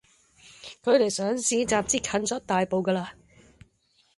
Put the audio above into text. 距離上市集資近咗一大步㗎啦